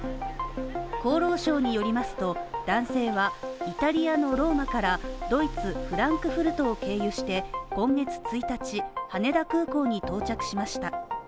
厚労省によりますと男性はイタリアのローマからドイツフランクフルトを経由して今月１日、羽田空港に到着しました。